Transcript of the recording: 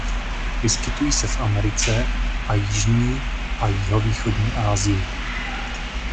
Vyskytují se v Americe a jižní a jihovýchodní Asii.